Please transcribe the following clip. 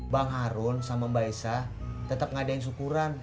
bang harun sama mbak isah tetap gak ada yang syukuran